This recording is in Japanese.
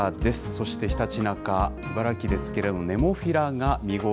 そしてひたちなか、茨城ですけれども、ネモフィラが見頃。